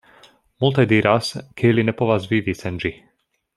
Multaj diras, ke ili ne povas vivi sen ĝi.